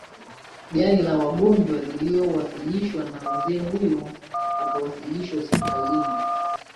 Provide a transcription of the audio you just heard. gari la wagonjwa lililowashwa na mzee huyo akawahishwa hospitali